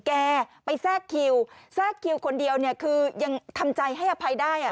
แกไปแทรกคิวแทรกคิวคนเดียวเนี่ยคือยังทำใจให้อภัยได้อ่ะ